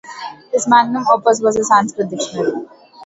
His "magnum opus" was a Sanskrit dictionary.